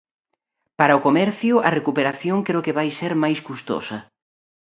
Para o comercio, a recuperación creo que vai ser máis custosa.